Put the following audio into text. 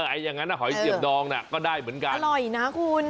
อย่างนั้นหอยเสียบดองน่ะก็ได้เหมือนกันอร่อยนะคุณ